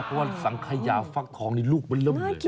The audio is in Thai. เพราะว่าสังขยาฟักทองนี่ลูกมันเริ่มเหลือ